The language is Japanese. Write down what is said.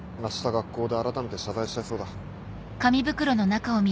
学校で改めて謝罪したいそうだ。